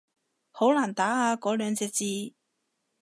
好難打啊嗰兩隻字